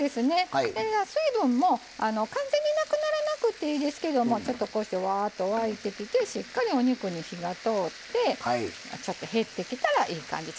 水分も完全になくならなくていいですけどちょっと、こうしてワーッと沸いてきてしっかりお肉に火が通ってちょっと減ってきたらいい感じ。